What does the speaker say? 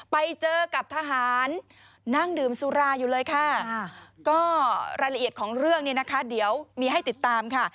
ไปเจอกับทหารนั่งดื่มสุราอยู่เลยค่ะก็รายละเอียดของเรื่องเนี่ยนะคะเดี๋ยวมีให้ติดตามค่ะ